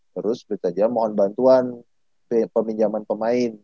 terus pelita jaya mohon bantuan peminjaman pemain